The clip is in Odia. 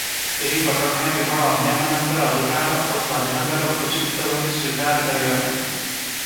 ଏହି କଟକଣା କେବଳ ଅନ୍ୟମାନଙ୍କର ଅଧିକାର ଓ ସ୍ୱାଧୀନତାର ଉପଯୁକ୍ତ ଭାବେ ସ୍ୱୀକାର କରିବା ପାଇଁ ।